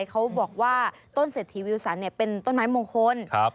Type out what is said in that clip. เขาบอกว่าต้นเศรษฐีวิวสันเป็นต้นไม้มงคล